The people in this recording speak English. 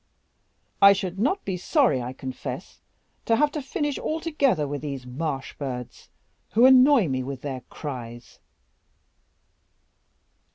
I should not be sorry, I confess, to have to finish altogether with these marsh birds, who annoy me with their cries."